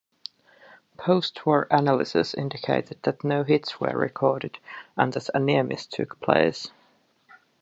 Postwar analysis indicated that no hits were recorded and that a near-miss took place.